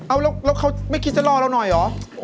เอาแล้วเขาไม่คิดจะรอเราหน่อยเหรอ